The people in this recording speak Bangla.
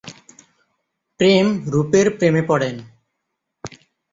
প্রেম রূপের প্রেমে পড়ে।